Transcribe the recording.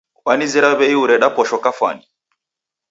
Wanizera w'ei ureda posho kafwani